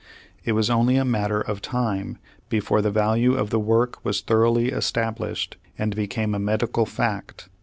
It was only a matter of time before the value of the work was thoroughly established and became a medical fact.